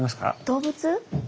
動物。